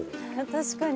確かに。